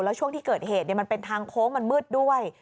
แล้วช่วงที่เกิดเหตุมันเป็นทางโค้งมันมืดด้วย